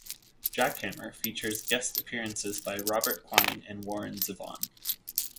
"Jack Hammer" features guest appearances by Robert Quine and Warren Zevon.